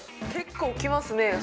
結構きますね。